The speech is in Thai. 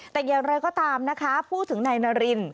แต่อย่างไรก็ตามนะคะพูดถึงนายนาริน